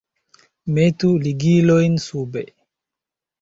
Metu ligilojn sube!